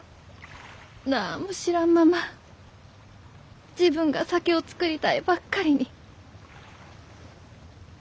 何も知らんまま自分が酒を造りたいばっかりに。